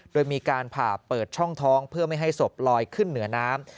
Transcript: โดยมีการผ่าเปิดช่องท้องเพื่อไม่ให้ศพลอยขึ้นเหนือน้ำ